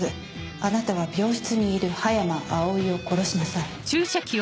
あなたは病室にいる葉山葵を殺しなさい。